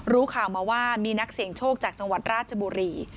รู้ข่าวมาว่ามีนักเสี่ยงโชคจากจังหวัดราชบุรี